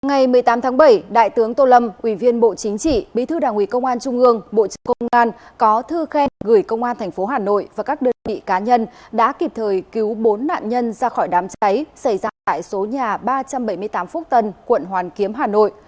ngày một mươi tám tháng bảy đại tướng tô lâm ủy viên bộ chính trị bí thư đảng ủy công an trung ương bộ trưởng công an có thư khen gửi công an tp hà nội và các đơn vị cá nhân đã kịp thời cứu bốn nạn nhân ra khỏi đám cháy xảy ra tại số nhà ba trăm bảy mươi tám phúc tân quận hoàn kiếm hà nội